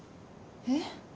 えっ？